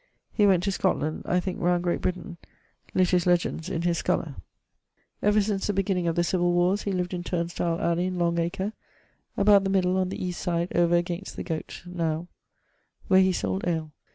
He went to Scotland (I think round Great Britaine) littus legens in his skuller. Ever since the begining of the civill warres he lived in Turne stile alley in Long Acre, about the middle on the east side over against the Goate (now), where he sold ale.